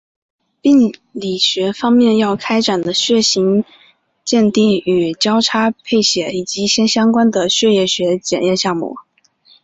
病理学方面要开展的血型鉴定与交叉配血以及一些相关的血液学检验项目。